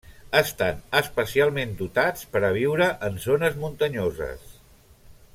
Estan especialment dotats per a viure en zones muntanyoses.